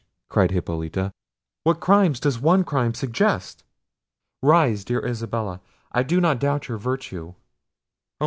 cried Hippolita: "What crimes does one crime suggest! Rise, dear Isabella; I do not doubt your virtue. Oh!